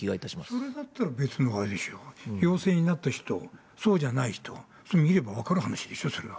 それだったら別にあれでしょう、陽性になった人、そうじゃない人、見れば分かる話でしょ、それは。